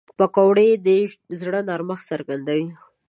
پکورې د زړه نرمښت څرګندوي